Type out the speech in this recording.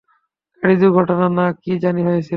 গাড়ি দূর্ঘটনা না কী জানি হয়েছিল।